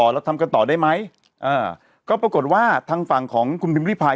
เราทำกันต่อได้ไหมอ่าก็ปรากฏว่าทางฝั่งของคุณพิมพิพาย